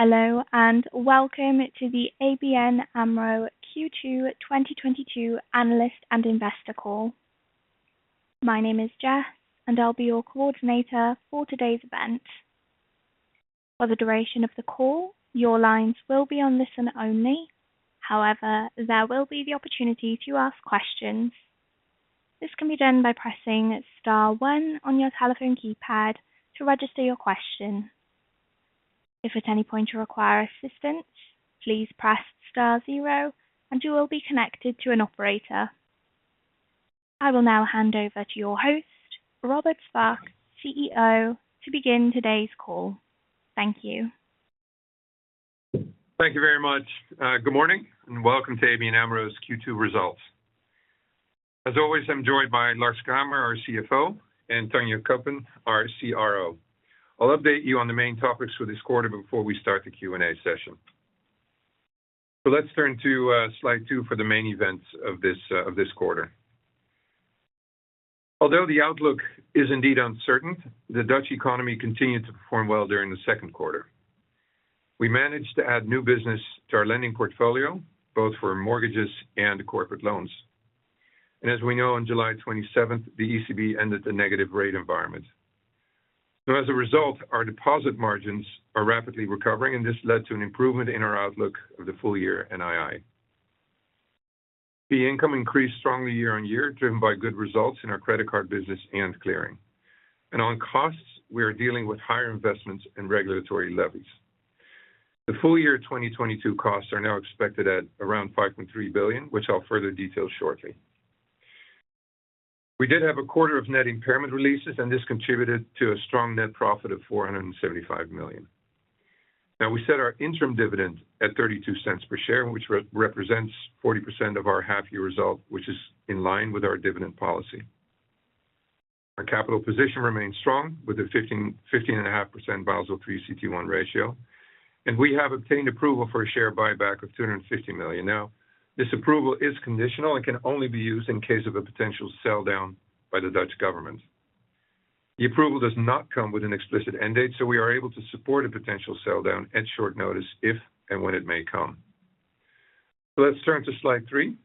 Hello and welcome to the ABN AMRO Q2 2022 analyst and investor call. My name is Jess, and I'll be your coordinator for today's event. For the duration of the call, your lines will be on listen only. However, there will be the opportunity to ask questions. This can be done by pressing star one on your telephone keypad to register your question. If at any point you require assistance, please press star zero and you will be connected to an operator. I will now hand over to your host, Robert Swaak, CEO, to begin today's call. Thank you. Thank you very much. Good morning and welcome to ABN AMRO's Q2 results. As always, I'm joined by Lars Kramer, our CFO, and Tanja Cuppen, our CRO. I'll update you on the main topics for this quarter before we start the Q&A session. Let's turn to slide two for the main events of this quarter. Although the outlook is indeed uncertain, the Dutch economy continued to perform well during the second quarter. We managed to add new business to our lending portfolio, both for mortgages and corporate loans. As we know, on July 27th, the ECB ended the negative rate environment. As a result, our deposit margins are rapidly recovering, and this led to an improvement in our outlook of the full year NII. Fee income increased strongly year-over-year, driven by good results in our credit card business and clearing. On costs, we are dealing with higher investments and regulatory levies. The full year 2022 costs are now expected at around 5.3 billion, which I'll further detail shortly. We did have a quarter of net impairment releases, and this contributed to a strong net profit of 475 million. Now, we set our interim dividend at 0.32 per share, which represents 40% of our half year result, which is in line with our dividend policy. Our capital position remains strong with a 15.5% Basel III CET1 ratio, and we have obtained approval for a share buyback of 250 million. Now, this approval is conditional and can only be used in case of a potential sell down by the Dutch government. The approval does not come with an explicit end date, so we are able to support a potential sell down at short notice if and when it may come. Let's turn to slide three,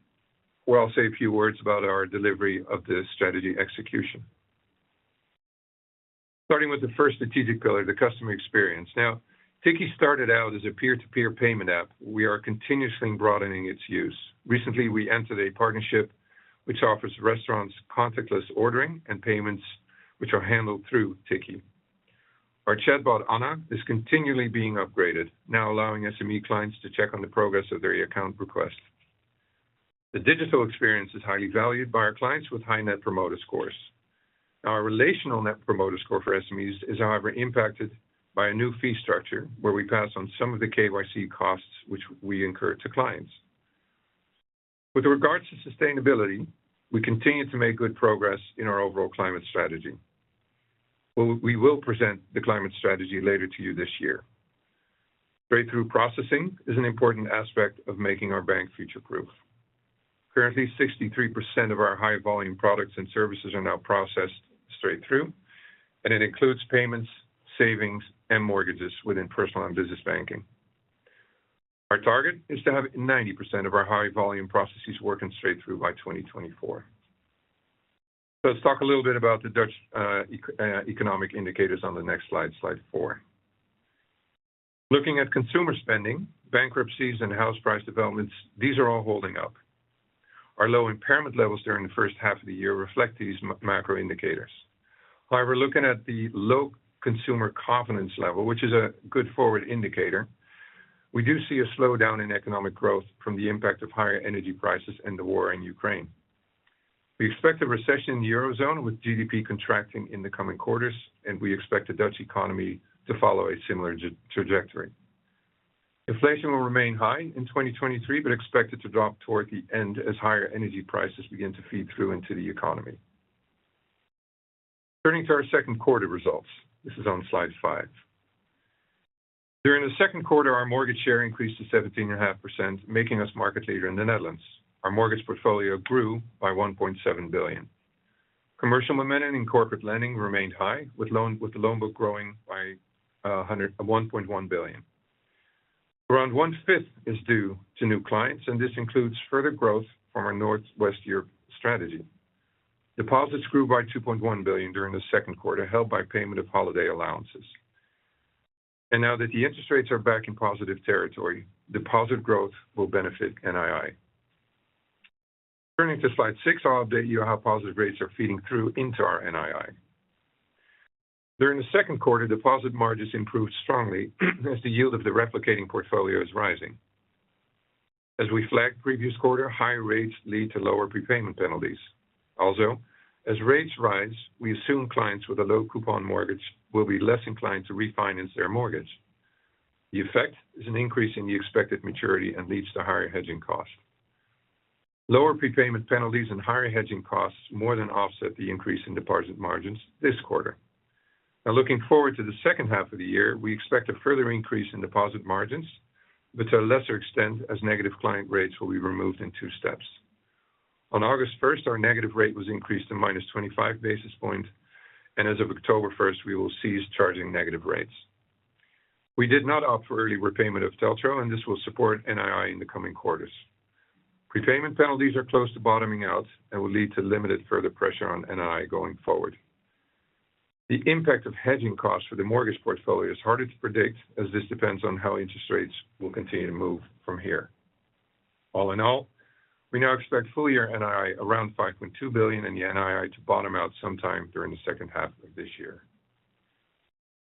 where I'll say a few words about our delivery of the strategy execution. Starting with the first strategic pillar, the customer experience. Now, Tikkie started out as a peer-to-peer payment app. We are continuously broadening its use. Recently, we entered a partnership which offers restaurants contactless ordering and payments, which are handled through Tikkie. Our chatbot, Anna, is continually being upgraded, now allowing SME clients to check on the progress of their e-account request. The digital experience is highly valued by our clients with high net promoter scores. Our relational net promoter score for SMEs is however impacted by a new fee structure where we pass on some of the KYC costs which we incur to clients. With regards to sustainability, we continue to make good progress in our overall climate strategy. We will present the climate strategy later to you this year. Straight through processing is an important aspect of making our bank future proof. Currently, 63% of our high volume products and services are now processed straight through, and it includes payments, savings, and mortgages within personal and business banking. Our target is to have 90% of our high volume processes working straight through by 2024. Let's talk a little bit about the Dutch economic indicators on the next slide four. Looking at consumer spending, bankruptcies, and house price developments, these are all holding up. Our low impairment levels during the first half of the year reflect these macro indicators. However, looking at the low consumer confidence level, which is a good forward indicator, we do see a slowdown in economic growth from the impact of higher energy prices and the war in Ukraine. We expect a recession in the Eurozone with GDP contracting in the coming quarters, and we expect the Dutch economy to follow a similar trajectory. Inflation will remain high in 2023, but expected to drop toward the end as higher energy prices begin to feed through into the economy. Turning to our second quarter results. This is on slide five. During the second quarter, our mortgage share increased to 17.5%, making us market leader in the Netherlands. Our mortgage portfolio grew by 1.7 billion. Commercial momentum in corporate lending remained high, with the loan book growing by 1.1 billion. Around 1/5 is due to new clients, and this includes further growth from our North West Europe strategy. Deposits grew by 2.1 billion during the second quarter, helped by payment of holiday allowances. Now that the interest rates are back in positive territory, deposit growth will benefit NII. Turning to slide six, I'll update you on how positive rates are feeding through into our NII. During the second quarter, deposit margins improved strongly as the yield of the replicating portfolio is rising. As we flagged previous quarter, higher rates lead to lower prepayment penalties. Also, as rates rise, we assume clients with a low coupon mortgage will be less inclined to refinance their mortgage. The effect is an increase in the expected maturity and leads to higher hedging costs. Lower prepayment penalties and higher hedging costs more than offset the increase in deposit margins this quarter. Now looking forward to the second half of the year, we expect a further increase in deposit margins, but to a lesser extent as negative client rates will be removed in two steps. On August 1, our negative rate was increased to -25 basis points, and as of October 1, we will cease charging negative rates. We did not opt for early repayment of TLTRO, and this will support NII in the coming quarters. Prepayment penalties are close to bottoming out and will lead to limited further pressure on NII going forward. The impact of hedging costs for the mortgage portfolio is harder to predict as this depends on how interest rates will continue to move from here. All in all, we now expect full-year NII around 5.2 billion and the NII to bottom out sometime during the second half of this year.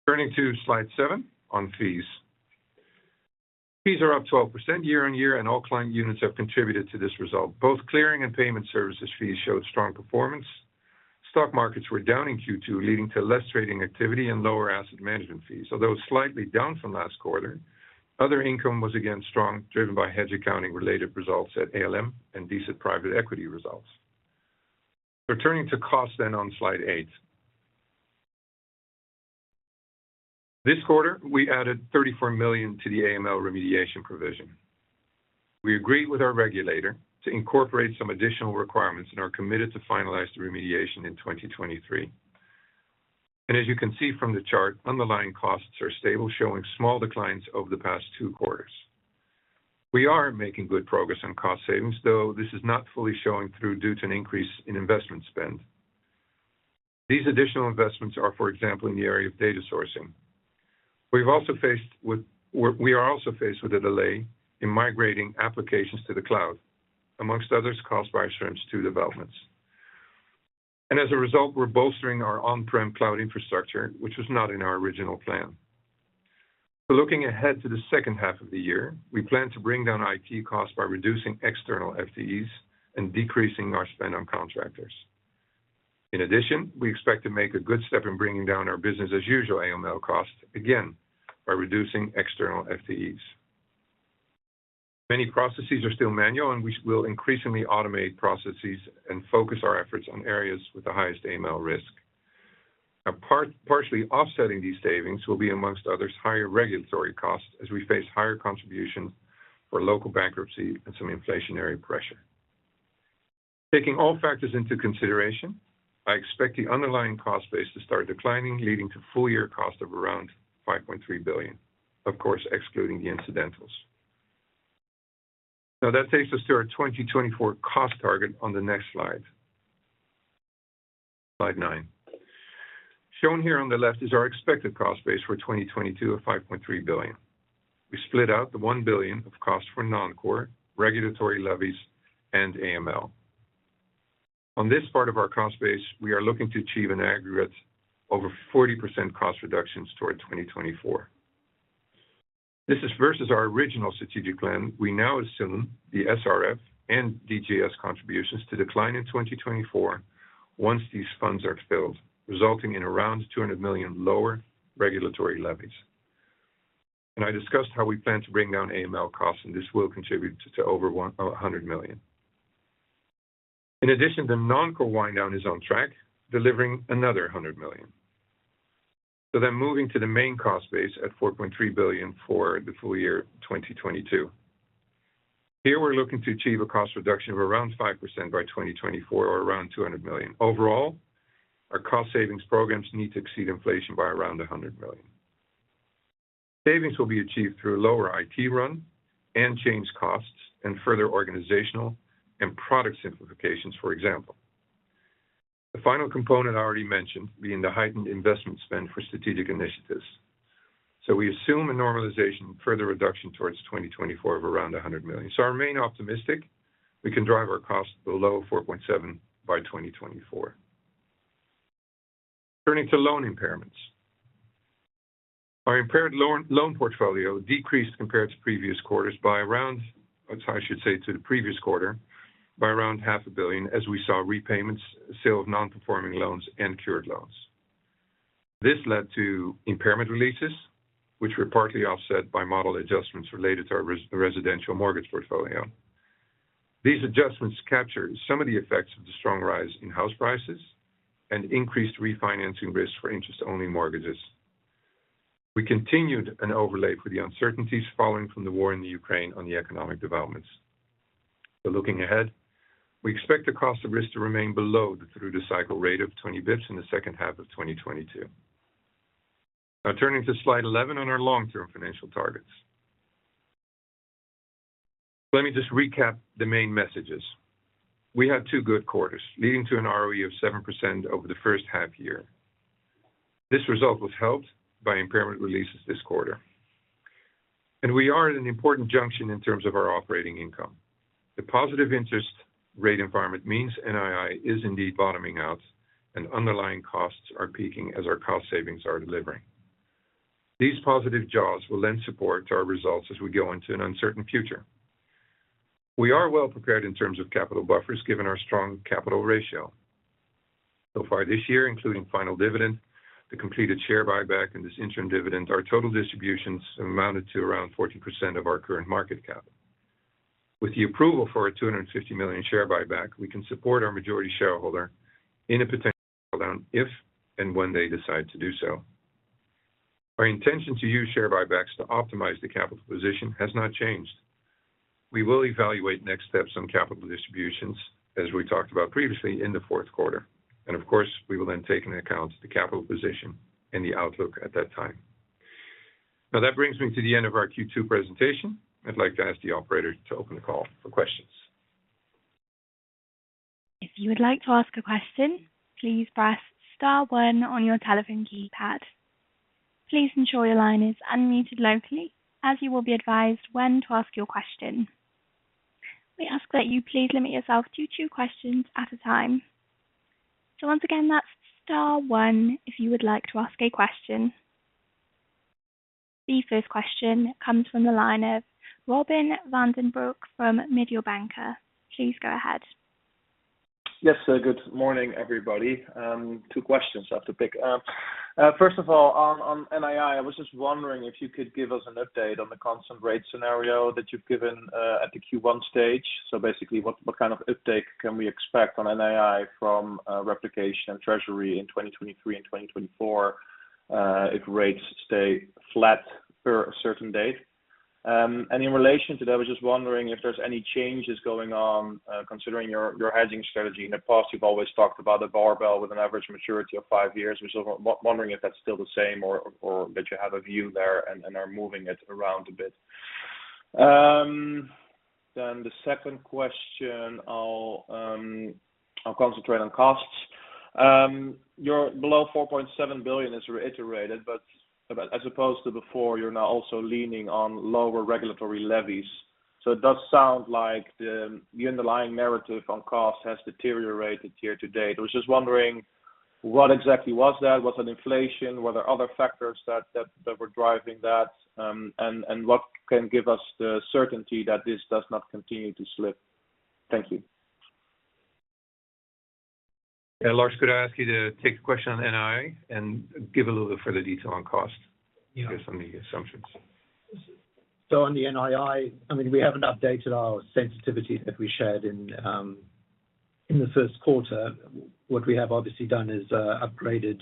Turning to slide seven on fees. Fees are up 12% year-over-year, and all client units have contributed to this result. Both clearing and payment services fees showed strong performance. Stock markets were down in Q2, leading to less trading activity and lower asset management fees. Although slightly down from last quarter, other income was again strong, driven by hedge accounting-related results at ALM and decent private equity results. Turning to cost then on slide eight. This quarter, we added 34 million to the AML remediation provision. We agreed with our regulator to incorporate some additional requirements and are committed to finalize the remediation in 2023. As you can see from the chart, underlying costs are stable, showing small declines over the past two quarters. We are making good progress on cost savings, though this is not fully showing through due to an increase in investment spend. These additional investments are, for example, in the area of data sourcing. We are also faced with a delay in migrating applications to the cloud, among others caused by Schrems II developments. As a result, we're bolstering our on-prem cloud infrastructure, which was not in our original plan. Looking ahead to the second half of the year, we plan to bring down IT costs by reducing external FTEs and decreasing our spend on contractors. In addition, we expect to make a good step in bringing down our business as usual AML costs, again, by reducing external FTEs. Many processes are still manual, and we will increasingly automate processes and focus our efforts on areas with the highest AML risk. Now, partially offsetting these savings will be, among others, higher regulatory costs as we face higher contributions for local bankruptcy and some inflationary pressure. Taking all factors into consideration, I expect the underlying cost base to start declining, leading to full-year cost of around 5.3 billion, of course, excluding the incidentals. Now, that takes us to our 2024 cost target on the next slide nine. Shown here on the left is our expected cost base for 2022 of 5.3 billion. We split out the 1 billion of costs for non-core, regulatory levies, and AML. On this part of our cost base, we are looking to achieve an aggregate over 40% cost reductions toward 2024. This is versus our original strategic plan. We now assume the SRF and DGS contributions to decline in 2024 once these funds are filled, resulting in around 200 million lower regulatory levies. I discussed how we plan to bring down AML costs, and this will contribute to over 100 million. In addition, the non-core wind down is on track, delivering another 100 million. Moving to the main cost base at 4.3 billion for the full year 2022. Here, we're looking to achieve a cost reduction of around 5% by 2024 or around 200 million. Overall, our cost savings programs need to exceed inflation by around 100 million. Savings will be achieved through lower IT run and change costs and further organizational and product simplifications, for example. The final component I already mentioned being the heightened investment spend for strategic initiatives. We assume a normalization further reduction towards 2024 of around 100 million. I remain optimistic we can drive our costs below 4.7% by 2024. Turning to loan impairments. Our impaired loan portfolio decreased compared to the previous quarter by around half a billion as we saw repayments, sale of non-performing loans, and cured loans. This led to impairment releases, which were partly offset by model adjustments related to our residential mortgage portfolio. These adjustments captured some of the effects of the strong rise in house prices and increased refinancing risk for interest-only mortgages. We continued an overlay for the uncertainties following from the war in the Ukraine on the economic developments. Looking ahead, we expect the cost of risk to remain below the through-the-cycle rate of 20 basis points in the second half of 2022. Now, turning to slide 11 on our long-term financial targets. Let me just recap the main messages. We had two good quarters, leading to an ROE of 7% over the first half year. This result was helped by impairment releases this quarter. We are at an important junction in terms of our operating income. The positive interest rate environment means NII is indeed bottoming out, and underlying costs are peaking as our cost savings are delivering. These positive jaws will lend support to our results as we go into an uncertain future. We are well prepared in terms of capital buffers, given our strong capital ratio. So far this year, including final dividend, the completed share buyback, and this interim dividend, our total distributions amounted to around 14% of our current market cap. With the approval for our 250 million share buyback, we can support our majority shareholder in a potential sell-down if and when they decide to do so. Our intention to use share buybacks to optimize the capital position has not changed. We will evaluate next steps on capital distributions, as we talked about previously in the fourth quarter, and of course, we will then take into account the capital position and the outlook at that time. Now that brings me to the end of our Q2 presentation. I'd like to ask the operator to open the call for questions. If you would like to ask a question, please press star one on your telephone keypad. Please ensure your line is unmuted locally as you will be advised when to ask your question. We ask that you please limit yourself to two questions at a time. Once again, that's star one if you would like to ask a question. The first question comes from the line of Robin van den Broek from Mediobanca. Please go ahead. Yes, good morning, everybody. Two questions I have to pick. First of all, on NII, I was just wondering if you could give us an update on the constant rate scenario that you've given at the Q1 stage. Basically, what kind of uptake can we expect on NII from replication and treasury in 2023 and 2024, if rates stay flat for a certain date? In relation to that, I was just wondering if there's any changes going on, considering your hedging strategy. In the past, you've always talked about the barbell with an average maturity of five years. We're sort of wondering if that's still the same or that you have a view there and are moving it around a bit. The second question, I'll concentrate on costs. You're below 4.7 billion is reiterated, but as opposed to before, you're now also leaning on lower regulatory levies. It does sound like the underlying narrative on cost has deteriorated here to date. I was just wondering what exactly was that? Was that inflation? Were there other factors that were driving that? What can give us the certainty that this does not continue to slip? Thank you. Yeah. Lars, could I ask you to take the question on NII and give a little further detail on cost? Yeah. Give us some of the assumptions. On the NII, I mean, we haven't updated our sensitivity that we shared in the first quarter. What we have obviously done is upgraded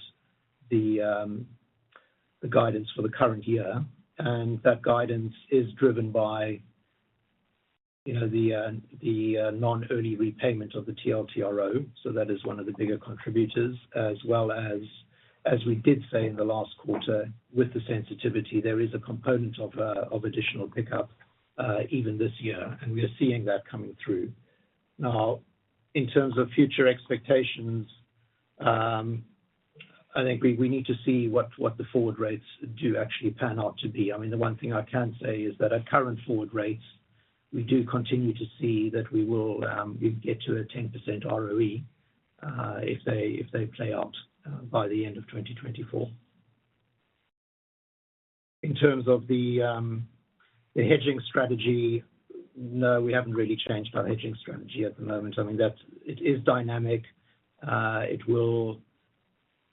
the guidance for the current year, and that guidance is driven by you know the non-early repayment of the TLTRO. That is one of the bigger contributors as well as we did say in the last quarter with the sensitivity, there is a component of additional pickup even this year, and we are seeing that coming through. Now, in terms of future expectations, I think we need to see what the forward rates do actually pan out to be. I mean, the one thing I can say is that at current forward rates, we do continue to see that we will get to a 10% ROE if they play out by the end of 2024. In terms of the hedging strategy, no, we haven't really changed our hedging strategy at the moment. I mean, that is dynamic.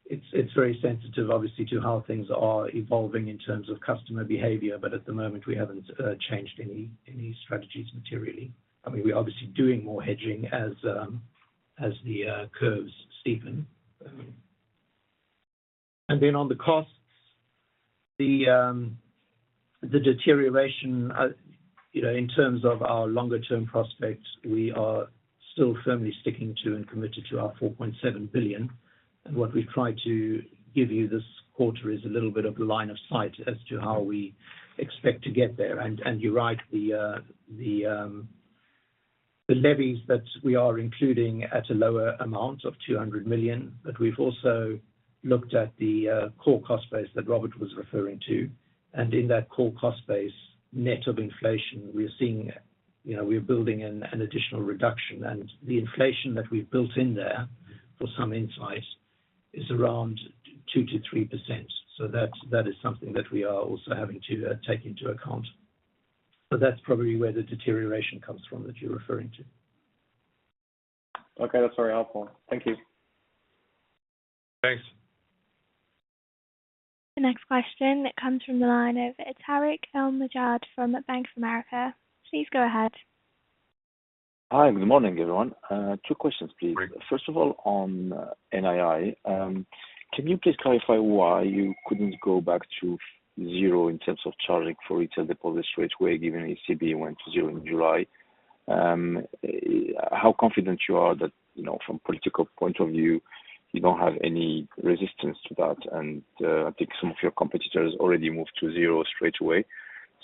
It is very sensitive, obviously, to how things are evolving in terms of customer behavior. At the moment, we haven't changed any strategies materially. I mean, we're obviously doing more hedging as the curves steepen. On the costs, the deterioration in terms of our longer-term prospects, we are still firmly sticking to and committed to our 4.7 billion. What we've tried to give you this quarter is a little bit of line of sight as to how we expect to get there. You're right, the levies that we are including at a lower amount of 200 million. We've also looked at the core cost base that Robert was referring to. In that core cost base, net of inflation, we are seeing, you know, we're building an additional reduction. The inflation that we've built in there for some insight is around 2%-3%. That is something that we are also having to take into account. That's probably where the deterioration comes from that you're referring to. Okay. That's very helpful. Thank you. Thanks. The next question comes from the line of Tarik El Mejjad from Bank of America. Please go ahead. Hi. Good morning, everyone. Two questions, please. Great. First of all, on NII, can you please clarify why you couldn't go back to 0% in terms of charging for retail deposit rates whereas the ECB went to 0% in July? How confident you are that, you know, from political point of view, you don't have any resistance to that? I think some of your competitors already moved to 0% straight away.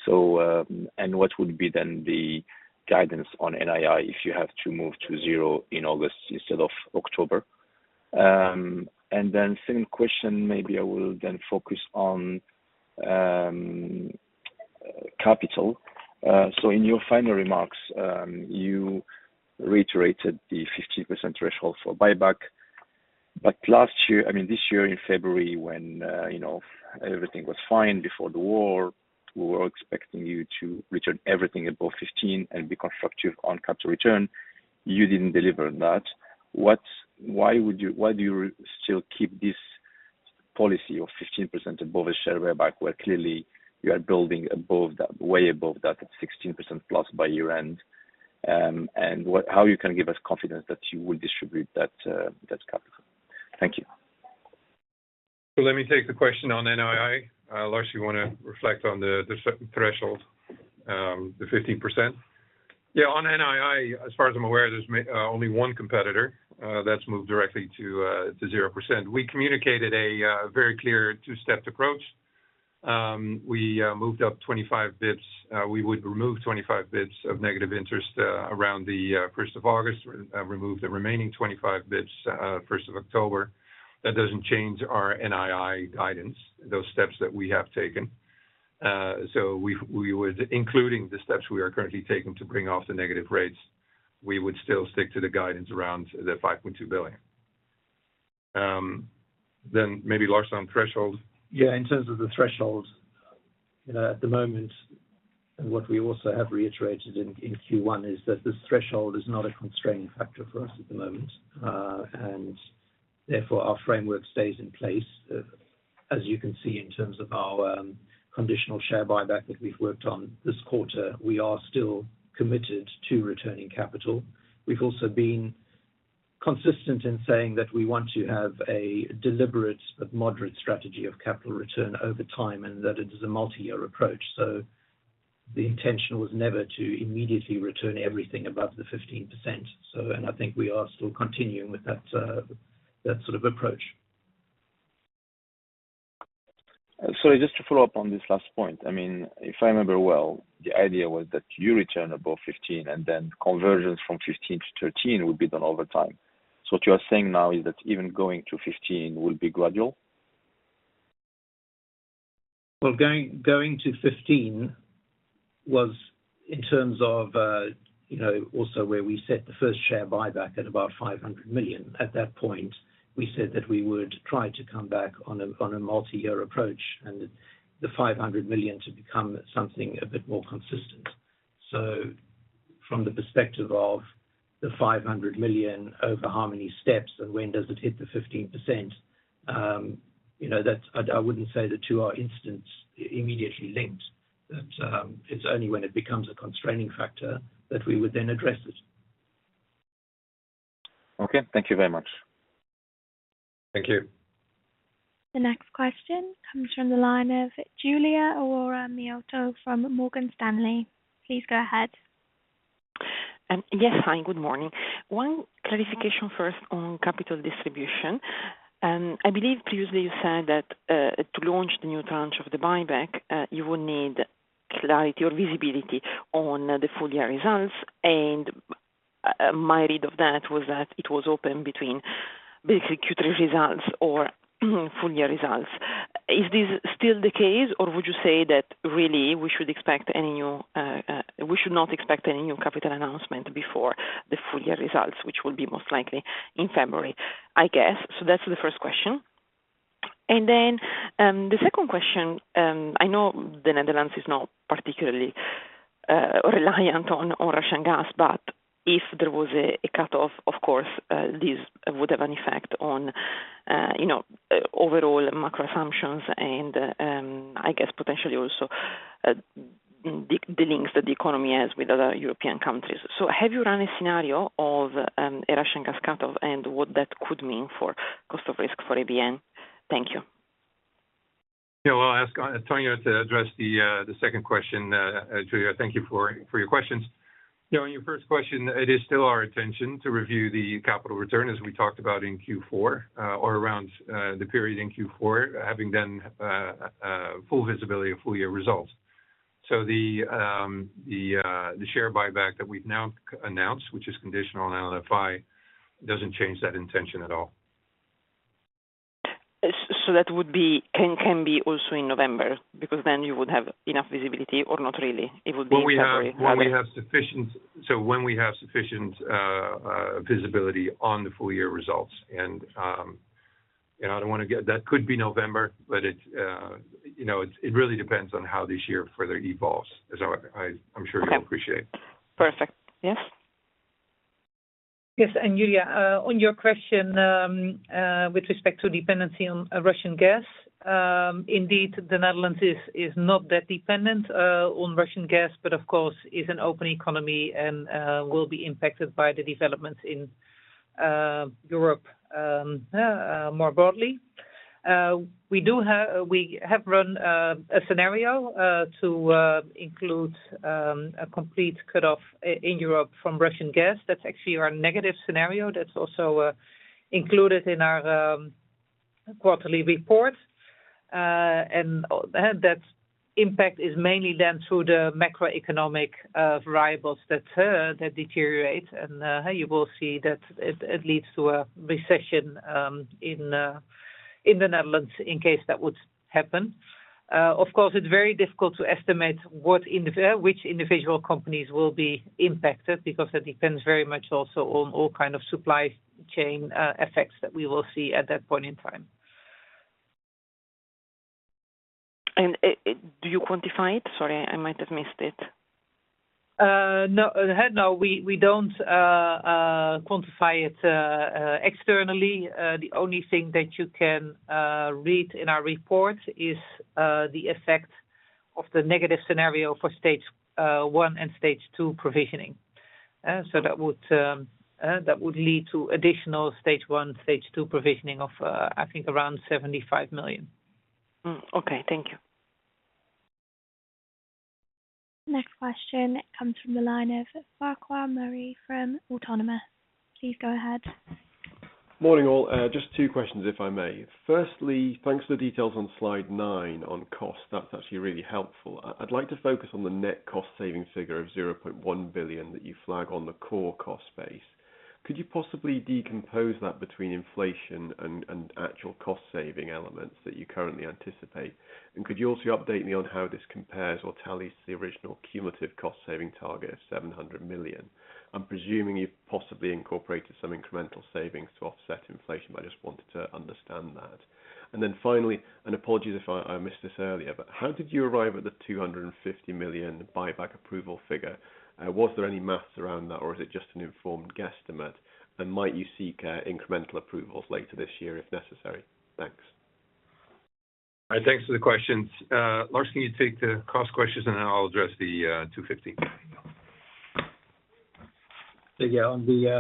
What would be then the guidance on NII if you have to move to 0% in August instead of October? Second question, maybe I will then focus on capital. In your final remarks, you reiterated the 15% threshold for buyback. Last year—I mean, this year in February, when, you know, everything was fine before the war, we were expecting you to return everything above 15% and be constructive on capital return. You didn't deliver that. Why do you still keep this policy of 15% above a share buyback, where clearly you are building above that, way above that at 16% plus by year-end? How you can give us confidence that you will distribute that capital? Thank you. Let me take the question on NII. Lars, you wanna reflect on the CET1 threshold, the 15%. Yeah, on NII, as far as I'm aware, there's only one competitor that's moved directly to 0%. We communicated a very clear two-stepped approach. We moved up 25 basis points. We would remove 25 basis points of negative interest around the first of August. Remove the remaining 25 basis points first of October. That doesn't change our NII guidance, those steps that we have taken. We would, including the steps we are currently taking to phase out the negative rates, still stick to the guidance around 5.2 billion. Then maybe Lars, on threshold. Yeah, in terms of the threshold, you know, at the moment, and what we also have reiterated in Q1 is that this threshold is not a constraining factor for us at the moment. And therefore, our framework stays in place. As you can see in terms of our conditional share buyback that we've worked on this quarter, we are still committed to returning capital. We've also been consistent in saying that we want to have a deliberate but moderate strategy of capital return over time, and that it is a multi-year approach. The intention was never to immediately return everything above the 15%. I think we are still continuing with that sort of approach. Sorry, just to follow up on this last point. I mean, if I remember well, the idea was that you return above 15%, and then conversions from 15%-13% would be done over time. What you are saying now is that even going to 15% will be gradual? Well, going to 15% was in terms of, you know, also where we set the first share buyback at about 500 million. At that point, we said that we would try to come back on a multi-year approach, and the 500 million to become something a bit more consistent. From the perspective of the 500 million over how many steps and when does it hit the 15%, you know, that's. I wouldn't say the two aren't immediately linked. It's only when it becomes a constraining factor that we would then address it. Okay. Thank you very much. Thank you. The next question comes from the line of Giulia Aurora Miotto from Morgan Stanley. Please go ahead. Yes. Hi, good morning. One clarification first on capital distribution. I believe previously you said that to launch the new tranche of the buyback, you will need clarity or visibility on the full year results. My read of that was that it was open between basically Q3 results or full year results. Is this still the case, or would you say that really we should not expect any new capital announcement before the full year results, which will be most likely in February, I guess. That's the first question. The second question, I know the Netherlands is not particularly reliant on Russian gas, but if there was a cutoff, of course, this would have an effect on, you know, overall macro assumptions and, I guess potentially also, the links that the economy has with other European countries. Have you run a scenario of a Russian gas cutoff and what that could mean for cost of risk for ABN? Thank you. Yeah. I'll ask Tanja to address the second question. Giulia, thank you for your questions. You know, in your first question, it is still our intention to review the capital return as we talked about in Q4 or around the period in Q4, having then a full visibility of full year results. The share buyback that we've now announced, which is conditional on NLFI, doesn't change that intention at all. Can be also in November because then you would have enough visibility or not really? It would be February. When we have sufficient visibility on the full year results. You know, that could be November, but it's you know, it really depends on how this year further evolves, as I'm sure you'll appreciate. Okay. Perfect. Yes. Yes. Giulia, on your question, with respect to dependency on Russian gas, indeed, the Netherlands is not that dependent on Russian gas, but of course is an open economy and will be impacted by the developments in Europe more broadly. We have run a scenario to include a complete cut-off in Europe from Russian gas. That's actually our negative scenario. That's also included in our quarterly report. That impact is mainly then through the macroeconomic variables that deteriorate. You will see that it leads to a recession in the Netherlands in case that would happen. Of course, it's very difficult to estimate which individual companies will be impacted because that depends very much also on all kind of supply chain effects that we will see at that point in time. Do you quantify it? Sorry, I might have missed it. No, we don't. Quantify it externally. The only thing that you can read in our report is the effect of the negative scenario for Stage 1 and Stage 2 provisioning. That would lead to additional Stage 1, Stage 2 provisioning of, I think, around 75 million. Okay. Thank you. Next question comes from the line of Farquhar Murray from Autonomous. Please go ahead. Morning, all. Just two questions, if I may. Firstly, thanks for the details on slide nine on cost. That's actually really helpful. I'd like to focus on the net cost savings figure of 0.1 billion that you flag on the core cost base. Could you possibly decompose that between inflation and actual cost-saving elements that you currently anticipate? Could you also update me on how this compares or tallies to the original cumulative cost-saving target of 700 million? I'm presuming you've possibly incorporated some incremental savings to offset inflation. I just wanted to understand that. Finally, apologies if I missed this earlier, but how did you arrive at the 250 million buyback approval figure? Was there any math around that, or is it just an informed guesstimate? Might you seek, incremental approvals later this year if necessary? Thanks. All right. Thanks for the questions. Lars, can you take the cost questions, and then I'll address the 250 million. Yeah,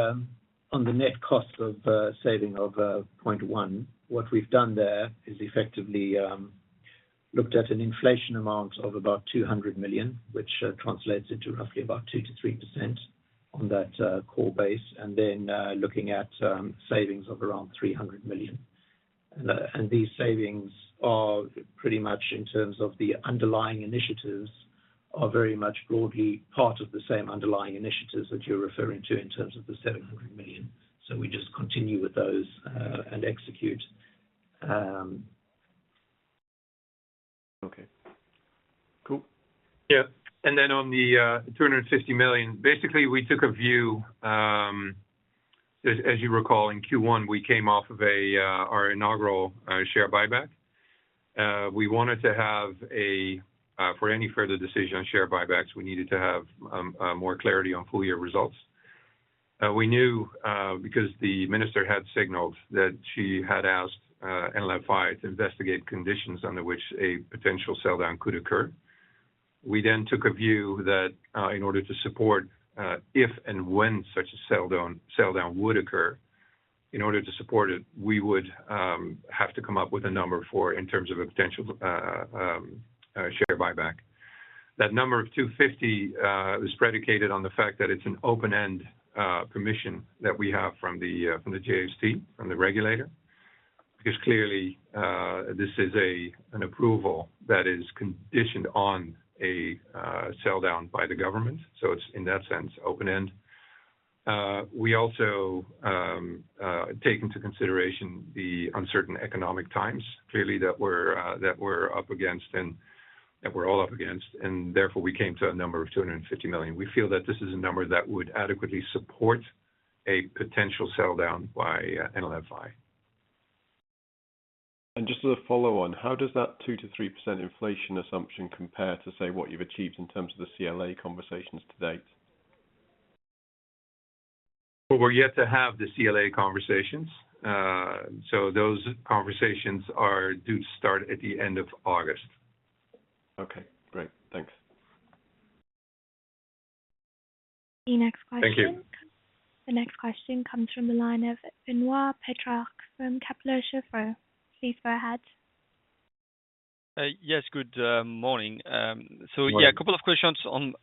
on the net cost of saving of 0.1 billion, what we've done there is effectively looked at an inflation amount of about 200 million, which translates into roughly about 2%-3% on that core base, and then looking at savings of around 300 million. These savings are pretty much in terms of the underlying initiatives are very much broadly part of the same underlying initiatives that you're referring to in terms of the 700 million. We just continue with those and execute. Okay. Cool. On the 250 million, basically, we took a view as you recall, in Q1, we came off of our inaugural share buyback. We wanted to have for any further decision on share buybacks, we needed to have more clarity on full-year results. We knew because the minister had signaled that she had asked NLFI to investigate conditions under which a potential sell-down could occur. We took a view that in order to support if and when such a sell-down would occur, in order to support it, we would have to come up with a number for it in terms of a potential share buyback. That number of 250 million was predicated on the fact that it's an open-end permission that we have from the JST, from the regulator, because clearly, this is an approval that is conditioned on a sell down by the government. So it's, in that sense, open-end. We also take into consideration the uncertain economic times, clearly that we're all up against and therefore we came to a number of 250 million. We feel that this is a number that would adequately support a potential sell down by NLFI. Just as a follow-on, how does that 2%-3% inflation assumption compare to, say, what you've achieved in terms of the CLA conversations to date? Well, we're yet to have the CLA conversations, so those conversations are due to start at the end of August. Okay, great. Thanks. The next question. Thank you. The next question comes from the line of Benoît Pétrarque from Kepler Cheuvreux. Please go ahead. Yes. Good morning. Morning. Yeah, a couple of questions on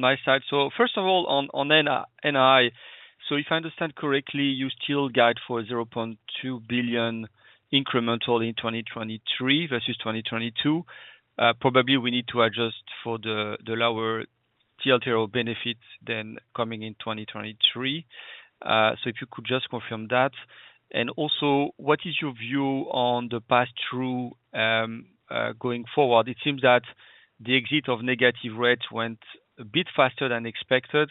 my side. First of all, on NII. If I understand correctly, you still guide for 0.2 billion incremental in 2023 versus 2022. Probably we need to adjust for the lower TLTRO benefits then coming in 2023. If you could just confirm that. Also, what is your view on the pass-through going forward? It seems that the exit of negative rates went a bit faster than expected.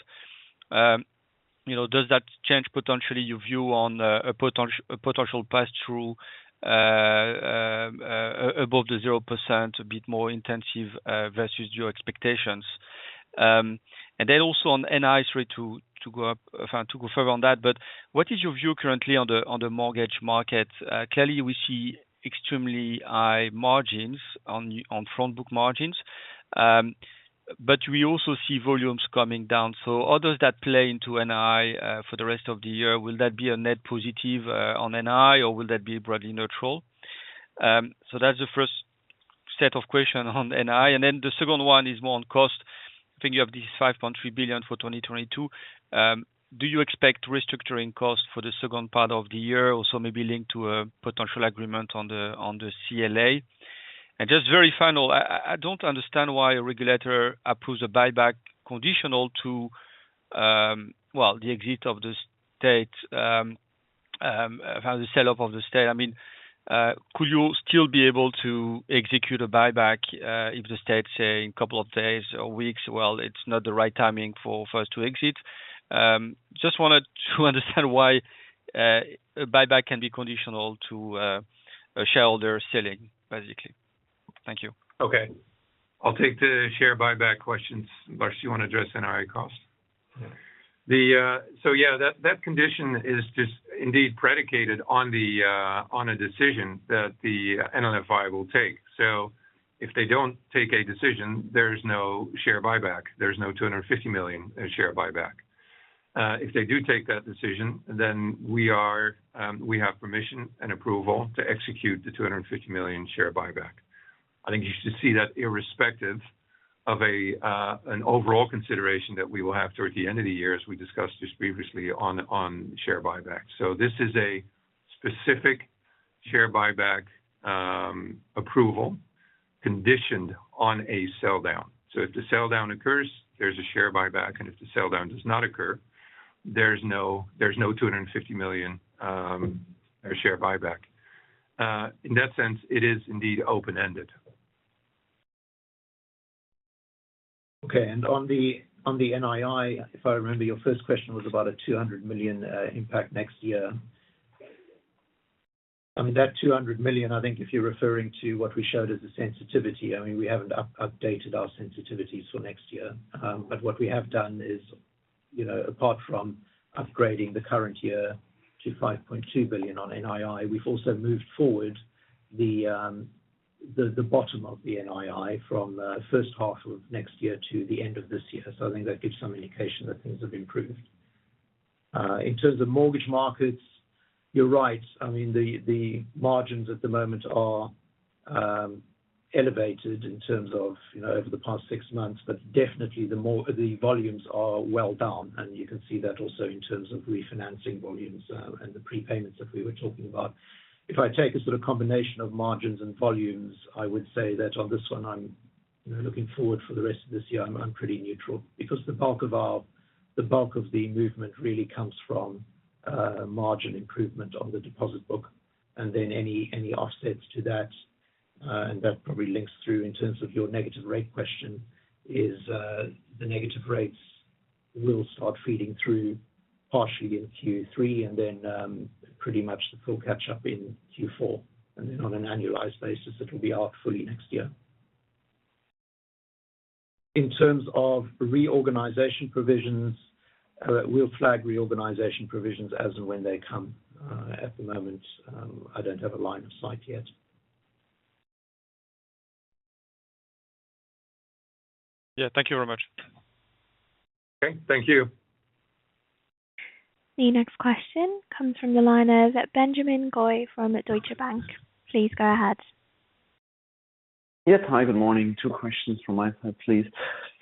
You know, does that change potentially your view on a potential pass-through above 0%, a bit more intensive versus your expectations? Also on NII, sorry to go further on that, but what is your view currently on the mortgage market? Clearly, we see extremely high margins on front book margins, but we also see volumes coming down. How does that play into NII for the rest of the year? Will that be a net positive on NII, or will that be broadly neutral? That's the first set of questions on NII. The second one is more on cost, thinking of the 5.3 billion for 2022. Do you expect restructuring costs for the second part of the year, also maybe linked to a potential agreement on the CLA? Just very final, I don't understand why a regulator approves a buyback conditional to, well, the exit of the state, the sell-off of the state. I mean, could you still be able to execute a buyback, if the state say in a couple of days or weeks, well, it's not the right timing for first to exit? Just wanted to understand why a buyback can be conditional to a shareholder selling, basically. Thank you. Okay. I'll take the share buyback questions, Lars, do you wanna address NII costs? Yeah. Yeah, that condition is just indeed predicated on a decision that the NLFI will take. If they don't take a decision, there's no share buyback. There's no 250 million in share buyback. If they do take that decision, then we have permission and approval to execute the 250 million share buyback. I think you should see that irrespective of an overall consideration that we will have towards the end of the year, as we discussed just previously on share buyback. This is a specific share buyback approval conditioned on a sell-down. If the sell-down occurs, there's a share buyback, and if the sell-down does not occur, there's no 250 million share buyback. In that sense, it is indeed open-ended. Okay. On the NII, if I remember, your first question was about a 200 million impact next year. I mean that 200 million, I think if you're referring to what we showed as the sensitivity, I mean, we haven't updated our sensitivities for next year. What we have done is, you know, apart from upgrading the current year to 5.2 billion on NII, we've also moved forward the bottom of the NII from first half of next year to the end of this year. I think that gives some indication that things have improved. In terms of mortgage markets, you're right. I mean, the margins at the moment are elevated in terms of, you know, over the past six months. Definitely the volumes are well down, and you can see that also in terms of refinancing volumes, and the prepayments that we were talking about. If I take a sort of combination of margins and volumes, I would say that on this one I'm, you know, looking forward for the rest of this year, I'm pretty neutral. Because the bulk of the movement really comes from margin improvement on the deposit book. Then any offsets to that, and that probably links through in terms of your negative rate question is, the negative rates will start feeding through partially in Q3, and then, pretty much they'll catch up in Q4. Then on an annualized basis, it'll be out fully next year. In terms of reorganization provisions, we'll flag reorganization provisions as and when they come. At the moment, I don't have a line of sight yet. Yeah. Thank you very much. Okay. Thank you. The next question comes from the line of Benjamin Goy from Deutsche Bank. Please go ahead. Yes. Hi, good morning. Two questions from my side, please.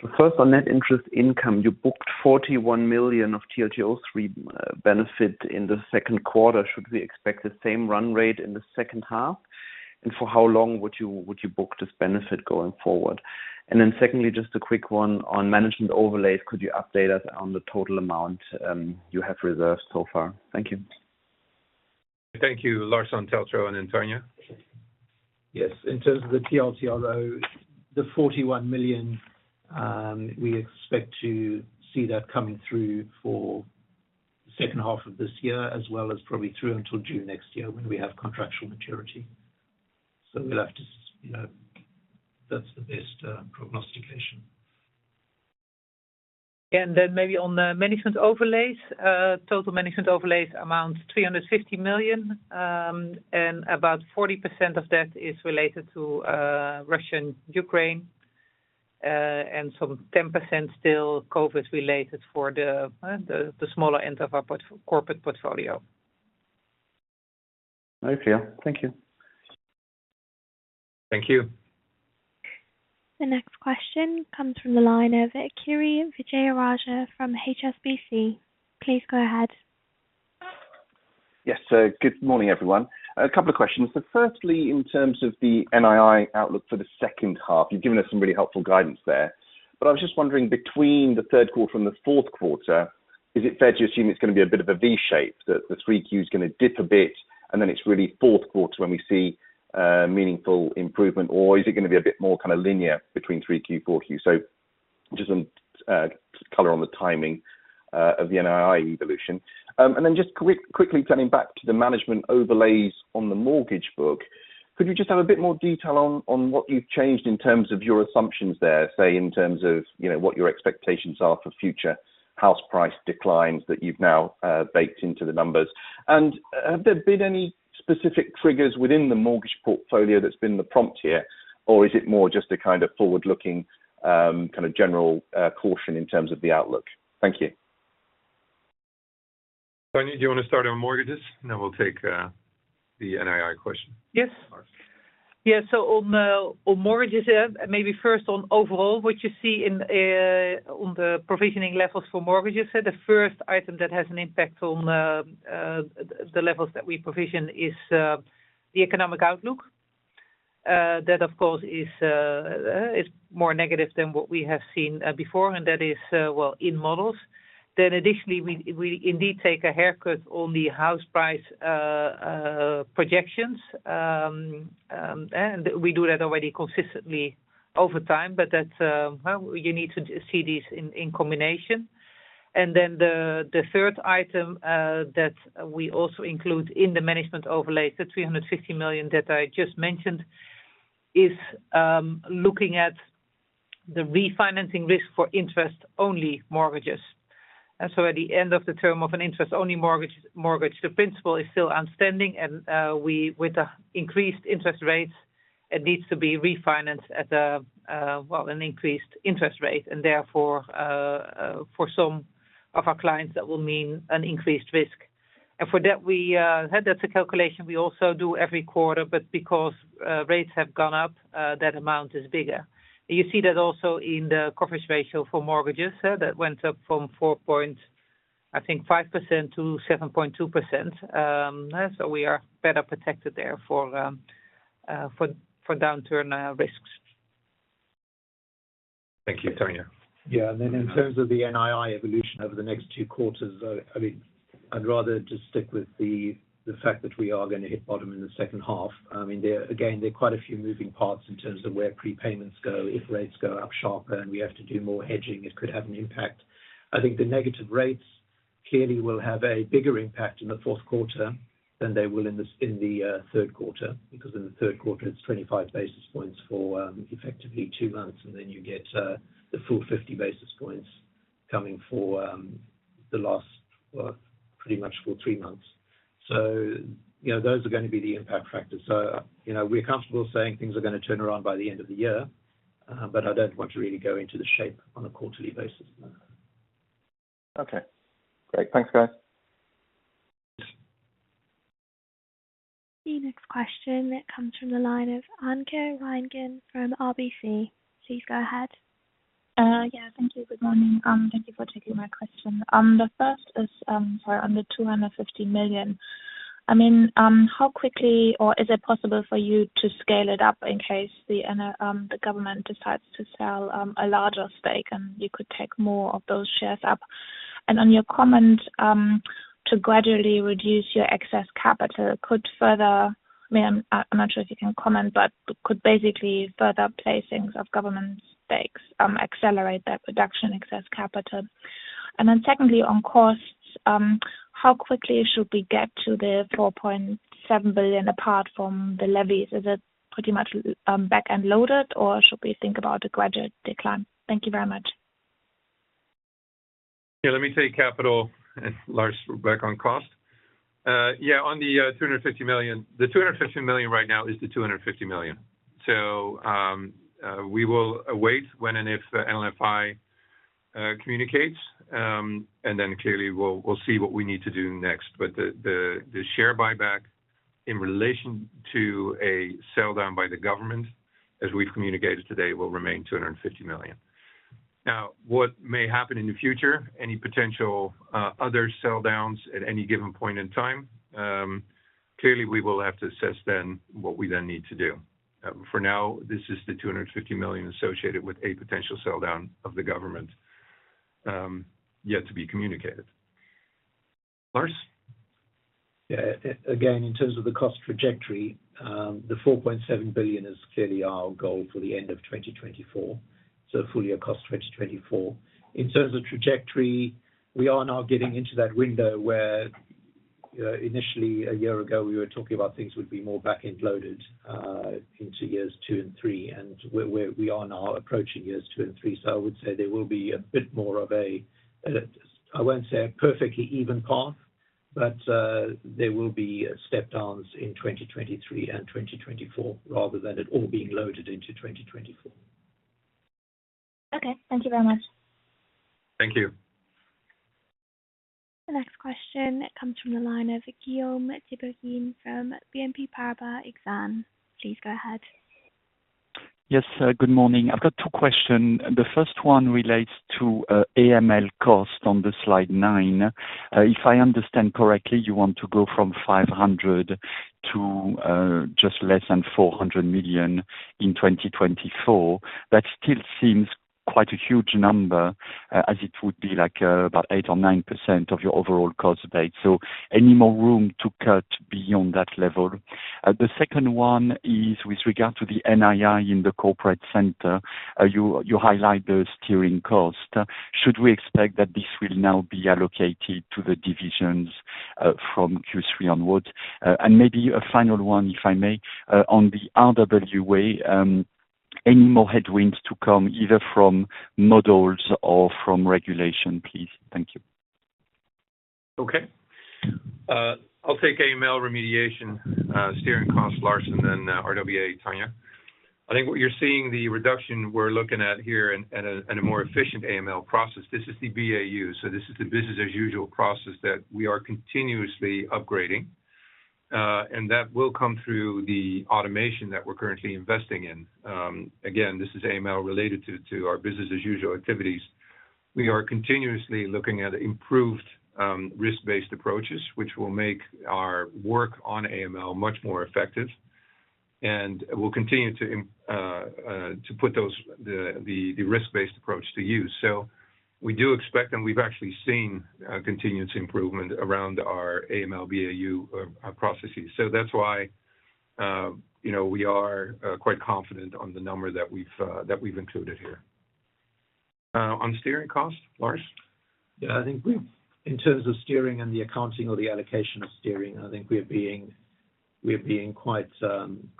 The first on net interest income, you booked 41 million of TLTRO III benefit in the second quarter. Should we expect the same run rate in the second half? For how long would you book this benefit going forward? Secondly, just a quick one on management overlays. Could you update us on the total amount you have reserved so far? Thank you. Thank you. Lars on TLTRO and then Tanja. Yes. In terms of the TLTRO, 41 million, we expect to see that coming through for second half of this year as well as probably through until June next year when we have contractual maturity. We'll have to you know, that's the best prognostication. Maybe on the management overlays. Total management overlays amount 350 million, and about 40% of that is related to Russia-Ukraine, and some 10% still COVID related for the smaller end of our corporate portfolio. Okay. Thank you. Thank you. The next question comes from the line of Kiri Vijayarajah from HSBC. Please go ahead. Yes. Good morning, everyone. A couple of questions. Firstly, in terms of the NII outlook for the second half, you've given us some really helpful guidance there. I was just wondering, between the third quarter and the fourth quarter, is it fair to assume it's gonna be a bit of a V shape? That the 3Q is gonna dip a bit, and then it's really fourth quarter when we see meaningful improvement, or is it gonna be a bit more kind of linear between 3Q, 4Q? Just some color on the timing of the NII evolution. Quickly turning back to the management overlays on the mortgage book, could you just have a bit more detail on what you've changed in terms of your assumptions there, say in terms of, you know, what your expectations are for future house price declines that you've now baked into the numbers? Have there been any specific triggers within the mortgage portfolio that's been the prompt here, or is it more just a kind of forward-looking, kind of general caution in terms of the outlook? Thank you. Tanja, do you wanna start on mortgages? We'll take the NII question. Yes. Lars. On mortgages, maybe first on overall, what you see in on the provisioning levels for mortgages. The first item that has an impact on the levels that we provision is the economic outlook. That of course is more negative than what we have seen before, and that is well in models. Additionally, we indeed take a haircut on the house price projections. We do that already consistently over time, but that's well you need to see these in combination. The third item that we also include in the management overlay, the 350 million that I just mentioned, is looking at the refinancing risk for interest-only mortgages. At the end of the term of an interest-only mortgage, the principal is still outstanding and, with the increased interest rates, it needs to be refinanced at a, well, an increased interest rate. Therefore, for some of our clients, that will mean an increased risk. For that's a calculation we also do every quarter, but because rates have gone up, that amount is bigger. You see that also in the coverage ratio for mortgages, that went up from 4.5%, I think, to 7.2%. We are better protected there for downturn risks. Thank you, Tanja. Yeah. Then in terms of the NII evolution over the next two quarters, I mean, I'd rather just stick with the fact that we are gonna hit bottom in the second half. I mean, again, there are quite a few moving parts in terms of where prepayments go. If rates go up sharper and we have to do more hedging, it could have an impact. I think the negative rates clearly will have a bigger impact in the fourth quarter than they will in the third quarter, because in the third quarter it's 25 basis points for effectively two months, and then you get the full 50 basis points coming for the last pretty much full three months. You know, those are gonna be the impact factors. You know, we're comfortable saying things are gonna turn around by the end of the year, but I don't want to really go into the shape on a quarterly basis. Okay. Great. Thanks, guys. The next question comes from the line of Anke Reingen from RBC. Please go ahead. Yeah. Thank you. Good morning. Thank you for taking my question. The first is on the 250 million. I mean, how quickly or is it possible for you to scale it up in case the NLFI, the government decides to sell a larger stake and you could take more of those shares up? On your comment to gradually reduce your excess capital, could further placings of government stakes accelerate that reduction excess capital. I mean, I'm not sure if you can comment, but could basically further placings of government stakes accelerate that reduction excess capital. Secondly, on costs, how quickly should we get to the 4.7 billion apart from the levies? Is it pretty much back-end loaded, or should we think about a gradual decline? Thank you very much. Yeah. Let me take capital and Lars back on cost. Yeah, on the 250 million. The 250 million right now is the 250 million. We will await when and if NLFI communicates, and then clearly we'll see what we need to do next. The share buyback in relation to a sell down by the government, as we've communicated today, will remain 250 million. Now, what may happen in the future, any potential other sell downs at any given point in time, clearly we will have to assess then what we then need to do. For now, this is the 250 million associated with a potential sell down of the government, yet to be communicated. Lars. Yeah. Again, in terms of the cost trajectory, the 4.7 billion is clearly our goal for the end of 2024, so full year cost 2024. In terms of trajectory, we are now getting into that window where, you know, initially a year ago, we were talking about things would be more back-end loaded, into years two and three, and we are now approaching years two and three. I would say there will be a bit more of a, I won't say a perfectly even path, but, there will be step downs in 2023 and 2024 rather than it all being loaded into 2024. Okay. Thank you very much. Thank you. The next question comes from the line of Guillaume Tiberghien from BNP Paribas Exane. Please go ahead. Good morning. I've got two questions. The first one relates to AML costs on slide nine. If I understand correctly, you want to go from 500 million to just less than 400 million in 2024. That still seems quite a huge number, as it would be, like, about 8% or 9% of your overall cost base. So any more room to cut beyond that level? The second one is with regard to the NII in the corporate center. You highlight the steering costs. Should we expect that this will now be allocated to the divisions from Q3 onwards? Maybe a final one, if I may. On the RWA, any more headwinds to come, either from models or from regulation, please? Thank you. Okay. I'll take AML remediation, steering cost, Lars, then RWA, Tanja. I think what you're seeing, the reduction we're looking at here and a more efficient AML process. This is the BAU, so this is the business as usual process that we are continuously upgrading, and that will come through the automation that we're currently investing in. Again, this is AML related to our business as usual activities. We are continuously looking at improved risk-based approaches, which will make our work on AML much more effective, and we'll continue to put those risk-based approach to use. We do expect, and we've actually seen, continuous improvement around our AML BAU processes. That's why you know, we are quite confident on the number that we've included here. On steering costs, Lars? In terms of steering and the accounting or the allocation of steering, I think we're being quite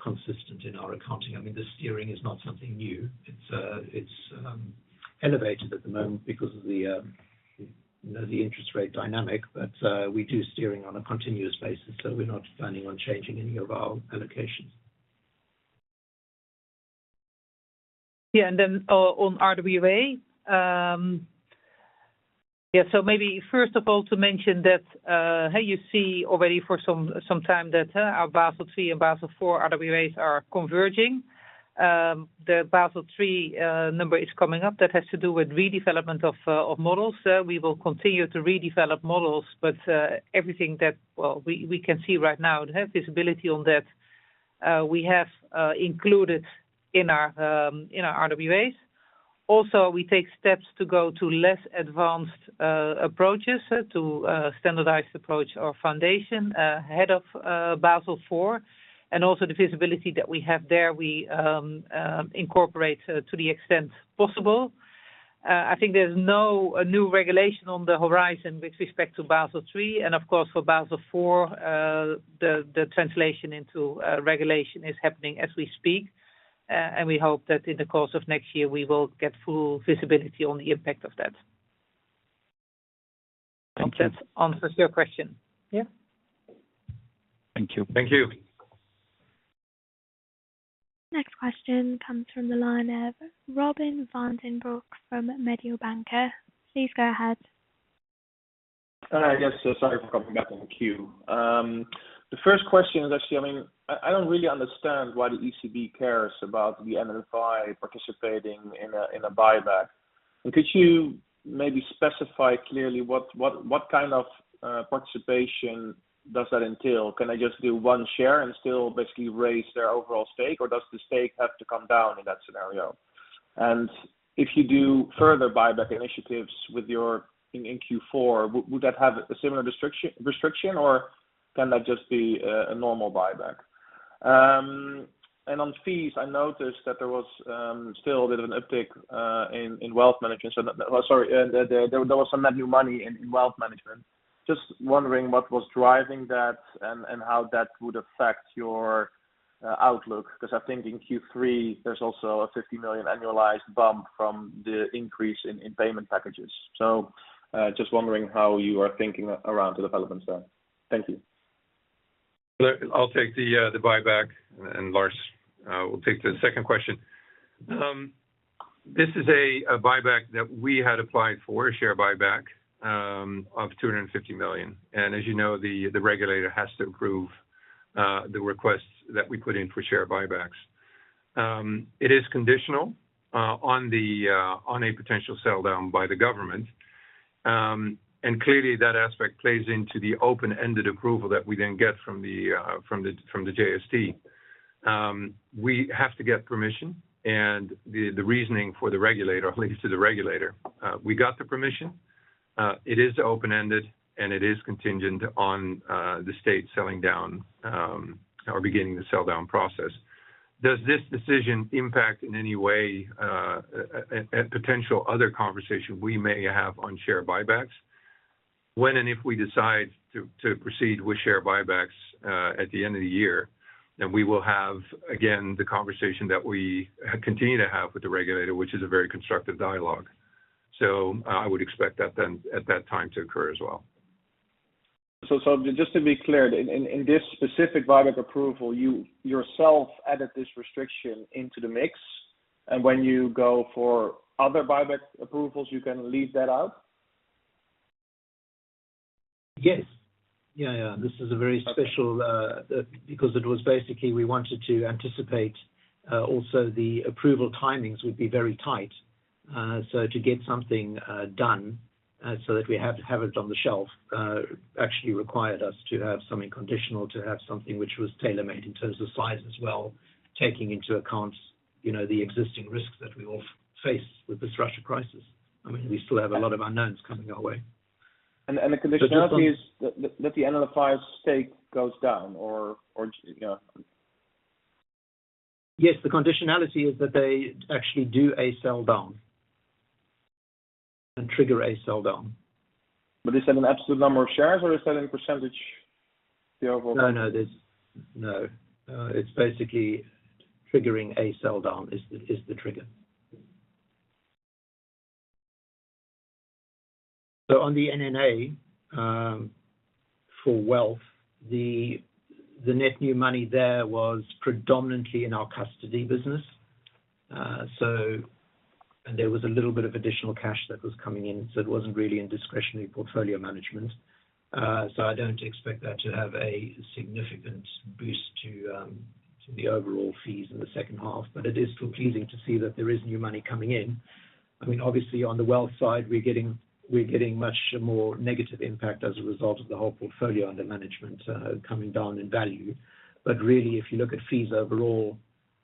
consistent in our accounting. I mean, the steering is not something new. It's elevated at the moment because of the, you know, the interest rate dynamic, but we do steering on a continuous basis, so we're not planning on changing any of our allocations. On RWA, so maybe first of all to mention that, how you see already for some time that our Basel III and Basel IV RWAs are converging. The Basel III number is coming up. That has to do with redevelopment of models. We will continue to redevelop models, but everything that we can see right now and have visibility on that, we have included in our RWAs. Also, we take steps to go to less advanced approaches to a standardized approach or foundation ahead of Basel IV. The visibility that we have there, we incorporate to the extent possible. I think there's no new regulation on the horizon with respect to Basel III. Of course, for Basel IV, the translation into regulation is happening as we speak. We hope that in the course of next year, we will get full visibility on the impact of that. Thank you. I hope that answers your question. Yeah. Thank you. Thank you. Next question comes from the line of Robin van den Broek from Mediobanca. Please go ahead. Hi, guys. Sorry for coming back in the queue. The first question is I don't really understand why the ECB cares about the NLFI participating in a buyback. Could you maybe specify clearly what kind of participation does that entail? Can I just do one share and still basically raise their overall stake, or does the stake have to come down in that scenario? If you do further buyback initiatives in Q4, would that have a similar restriction, or can that just be a normal buyback? I noticed that there was still a bit of an uptick in wealth management. There was some net new money in wealth management. Just wondering what was driving that and how that would affect your outlook. 'Cause I think in Q3, there's also a 50 million annualized bump from the increase in payment packages. Just wondering how you are thinking around the developments there. Thank you. I'll take the buyback, and Lars will take the second question. This is a buyback that we had applied for, a share buyback of 250 million. As you know, the regulator has to approve the requests that we put in for share buybacks. It is conditional on a potential sell-down by the government. Clearly that aspect plays into the open-ended approval that we then get from the JST. We have to get permission, and the reasoning for the regulator at least to the regulator. We got the permission. It is open-ended, and it is contingent on the state selling down or beginning the sell-down process. Does this decision impact in any way, a potential other conversation we may have on share buybacks when and if we decide to proceed with share buybacks, at the end of the year? We will have, again, the conversation that we continue to have with the regulator, which is a very constructive dialogue. I would expect that then at that time to occur as well. Just to be clear, in this specific buyback approval, you yourself added this restriction into the mix, and when you go for other buyback approvals, you can leave that out? Yes. Yeah. This is a very special. Okay. Because it was basically we wanted to anticipate, also the approval timings would be very tight. So to get something done, so that we have it on the shelf, actually required us to have something conditional, to have something which was tailor-made in terms of size as well, taking into account, you know, the existing risks that we all face with this Russia crisis. I mean, we still have a lot of unknowns coming our way. The conditionality is that the NLFI stake goes down or, you know? Yes. The conditionality is that they actually do a sell-down and trigger a sell-down. They set an absolute number of shares, or they set any percentage of No, no. It's basically triggering a sell-down is the trigger. On the NNA for wealth, the net new money there was predominantly in our custody business. There was a little bit of additional cash that was coming in, so it wasn't really in discretionary portfolio management. I don't expect that to have a significant boost to the overall fees in the second half. It is still pleasing to see that there is new money coming in. I mean, obviously on the wealth side, we're getting much more negative impact as a result of the whole portfolio under management coming down in value. Really, if you look at fees overall.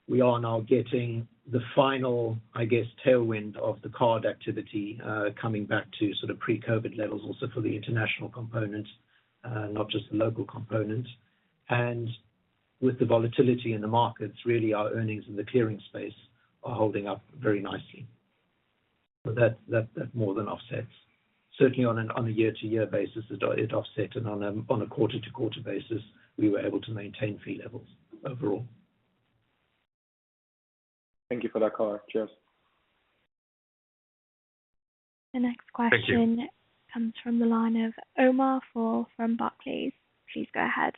We are now getting the final, I guess, tailwind of the card activity, coming back to sort of pre-COVID levels also for the international component, not just the local component. With the volatility in the markets, really, our earnings in the clearing space are holding up very nicely. That more than offsets. Certainly on a year-to-year basis, it offset. On a quarter-to-quarter basis, we were able to maintain fee levels overall. Thank you for that color. Cheers. The next question. Thank you. Comes from the line of Omar Fall from Barclays. Please go ahead.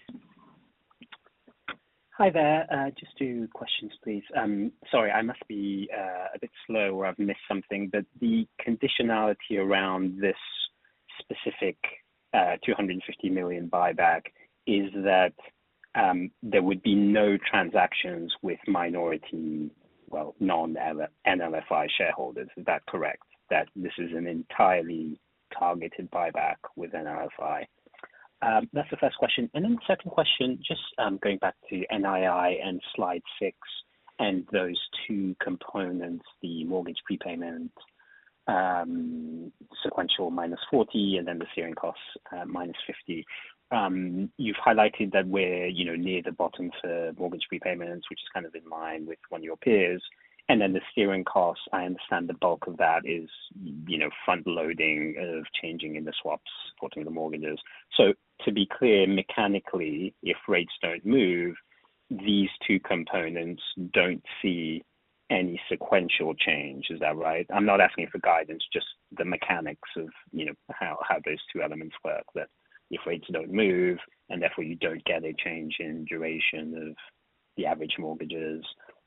Hi there. Just two questions, please. Sorry, I must be a bit slow or I've missed something, but the conditionality around this specific 250 million buyback is that there would be no transactions with minority, well, non-NLFI shareholders. Is that correct? That this is an entirely targeted buyback with NLFI. That's the first question. The second question, just going back to NII and slide six and those two components, the mortgage prepayment sequential -40, and then the steering costs -50. You've highlighted that we're, you know, near the bottom for mortgage prepayments, which is kind of in line with one of your peers. And then the steering costs, I understand the bulk of that is, you know, front loading of changing in the swaps, putting the mortgages. To be clear, mechanically, if rates don't move, these two components don't see any sequential change. Is that right? I'm not asking for guidance, just the mechanics of, you know, how those two elements work. That if rates don't move and therefore you don't get a change in duration of the average mortgages,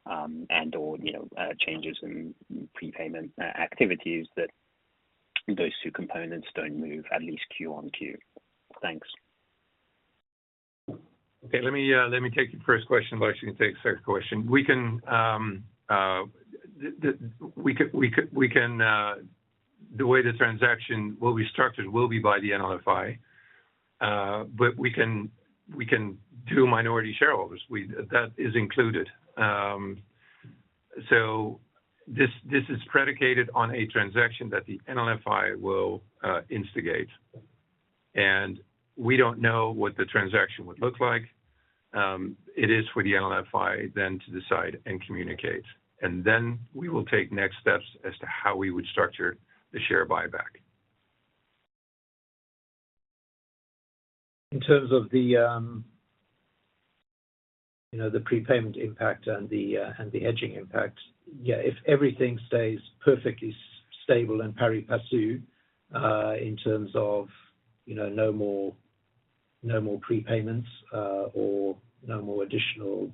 and/or, you know, changes in prepayment activities, that those two components don't move at least Q on Q. Thanks. Okay. Let me take the first question. Lars, you can take the second question. The way the transaction will be structured will be by the NLFI, but we can do minority shareholders. That is included. So this is predicated on a transaction that the NLFI will instigate. We don't know what the transaction would look like. It is for the NLFI then to decide and communicate. We will take next steps as to how we would structure the share buyback. In terms of the prepayment impact and the hedging impact, yeah, if everything stays perfectly stable and pari passu, in terms of no more prepayments or no more additional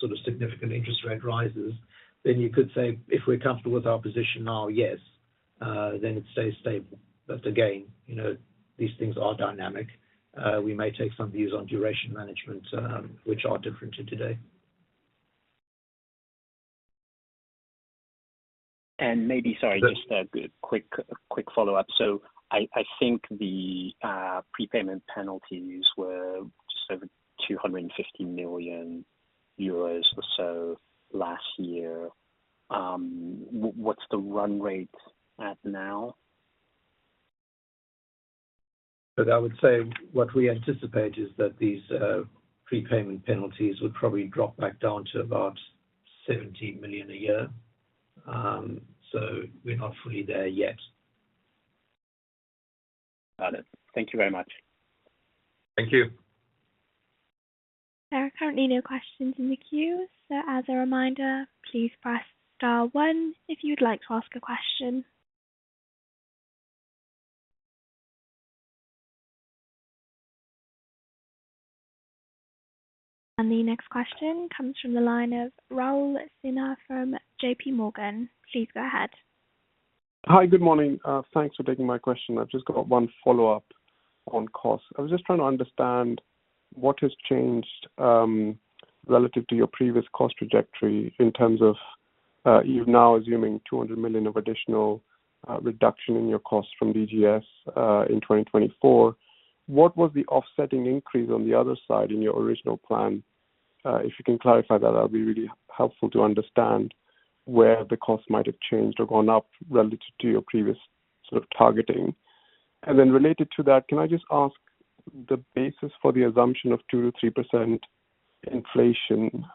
sort of significant interest rate rises, then you could say if we're comfortable with our position now, yes, then it stays stable. Again, you know, these things are dynamic. We may take some views on duration management, which are different to today. Maybe, sorry, just a quick follow-up. I think the prepayment penalties were just over 250 million euros or so last year. What's the run rate at now? I would say what we anticipate is that these prepayment penalties would probably drop back down to about 17 million a year. We're not fully there yet. Got it. Thank you very much. Thank you. There are currently no questions in the queue. As a reminder, please press star one if you'd like to ask a question. The next question comes from the line of Rahul Sinha from JPMorgan. Please go ahead. Hi. Good morning. Thanks for taking my question. I've just got one follow-up on costs. I was just trying to understand what has changed, relative to your previous cost trajectory in terms of, you're now assuming 200 million of additional reduction in your cost from DGS in 2024. What was the offsetting increase on the other side in your original plan? If you can clarify that'd be really helpful to understand where the cost might have changed or gone up relative to your previous sort of targeting. Related to that, can I just ask the basis for the assumption of 2%-3% inflation,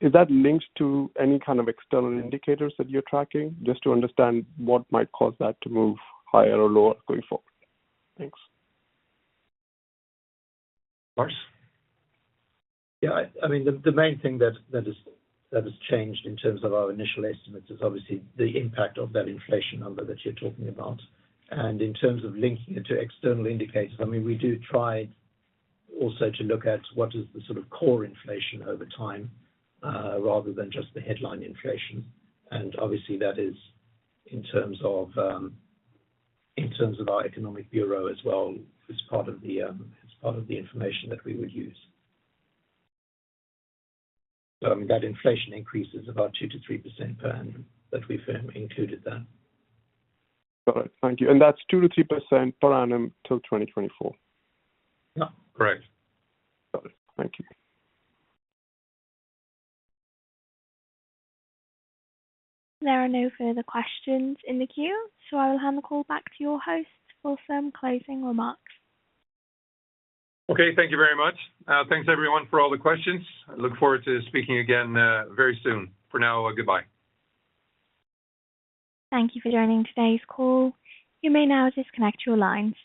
is that linked to any kind of external indicators that you're tracking? Just to understand what might cause that to move higher or lower going forward. Thanks. Lars. Yeah. I mean, the main thing that has changed in terms of our initial estimates is obviously the impact of that inflation number that you're talking about. In terms of linking it to external indicators, I mean, we do try also to look at what is the sort of core inflation over time, rather than just the headline inflation. Obviously, that is in terms of our economic bureau as well as part of the information that we would use. That inflation increase is about 2%-3% per annum, but we've included that. Got it. Thank you. That's 2%-3% per annum till 2024? Yeah. Correct. Got it. Thank you. There are no further questions in the queue, so I will hand the call back to your host for some closing remarks. Okay. Thank you very much. Thanks everyone for all the questions. I look forward to speaking again, very soon. For now, goodbye. Thank you for joining today's call. You may now disconnect your lines.